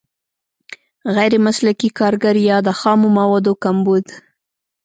غیر مسلکي کارګر یا د خامو موادو کمبود.